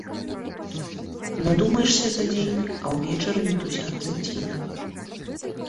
Надумаешся за дзень, а ўвечары мітусяцца цені.